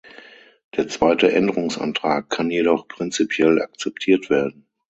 Der zweite Änderungsantrag kann jedoch prinzipiell akzeptiert werden.